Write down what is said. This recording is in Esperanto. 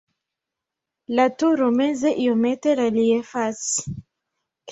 La turo meze iomete reliefas.